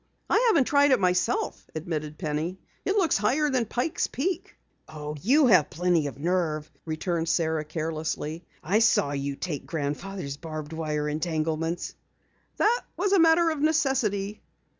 "I haven't tried it myself," admitted Penny. "It looks higher than Pike's Peak." "Oh, you have plenty of nerve," returned Sara carelessly. "I saw you take Grandfather's barbed wire entanglements." "That was a matter of necessity."